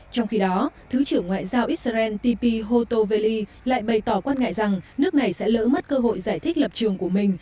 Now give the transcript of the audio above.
trong khi đó thứ trưởng ngoại giao israel tbi hoto veli lại bày tỏ quan ngại rằng nước này sẽ lỡ mất cơ hội giải thích lập trường của mình